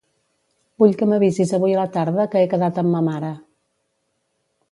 Vull que m'avisis avui a la tarda que he quedat amb ma mare.